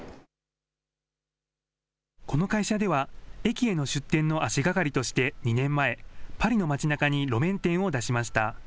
この会社では、駅への出店の足がかりとして２年前、パリの街なかに路面店を出しました。